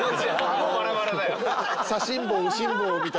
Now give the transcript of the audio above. もうバラバラだよ。